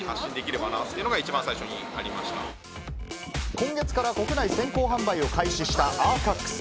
今月から国内先行販売を開始したアーカックス。